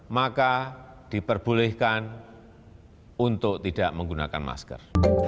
maka diperbolehkan untuk tidak menggunakan masker